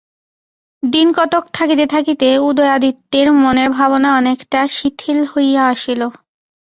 দিনকতক থাকিতে থাকিতে উদয়াদিত্যের মনের ভাবনা অনেকটা শিথিল হইয়া আসিল।